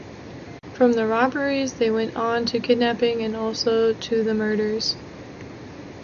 From the robberies they went on to kidnapping and also to the murders.